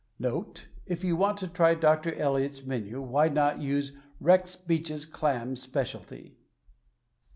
Note. — If you want to try Dr. Eliot's menu why not use Rex Beach's clam specialty?